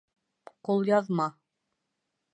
Ҡулъяҙма